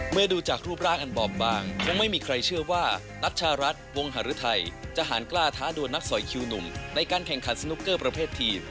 ดูจากรูปร่างอันบอบบางคงไม่มีใครเชื่อว่านัชชารัฐวงหารือไทยจะหารกล้าท้าดวนนักสอยคิวหนุ่มในการแข่งขันสนุกเกอร์ประเภททีม